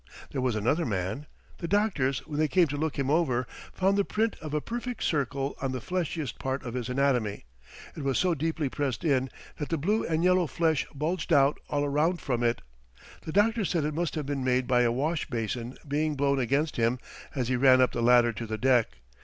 There was another man. The doctors, when they came to look him over, found the print of a perfect circle on the fleshiest part of his anatomy. It was so deeply pressed in that the blue and yellow flesh bulged out all around from it. The doctors said it must have been made by a wash basin being blown against him as he ran up the ladder to the deck.